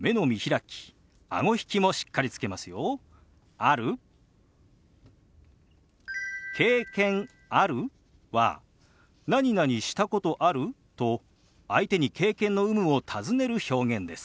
「ある？」は「なになにしたことある？」と相手に経験の有無を尋ねる表現です。